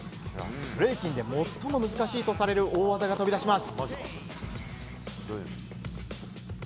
ブレイキン最も難しいとされる大技を見せます。